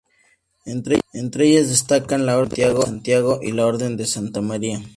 Entre ellas destacan la Orden de Santiago y la Orden de Santa María.